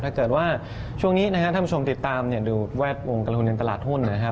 ถ้าเกิดว่าช่วงนี้นะครับท่านผู้ชมติดตามดูแวดวงการลงทุนเงินตลาดหุ้นนะครับ